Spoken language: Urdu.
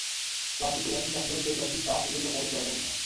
آزادی کی ایسی کیفیت کہ الیکشن سٹاف بھی ان کے پولنگ ایجنٹس کے